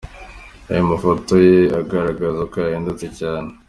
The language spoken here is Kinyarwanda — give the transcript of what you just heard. Ayo mafoto ye agaragaza ko yahindutse cyane.